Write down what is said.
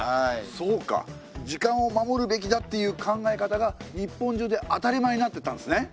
そうか「時間を守るべきだ」っていう考え方が日本中で当たり前になってったんですね。